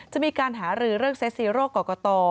จะมีการหารือเรื่องเซ็ตซีโร่กรกต